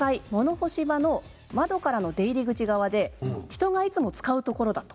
干し場の窓からの出入口側で人がいつも使うところ。